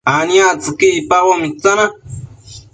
aniactsëqui icpaboc mitsana